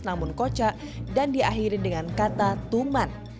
namun kocak dan diakhiri dengan kata tuman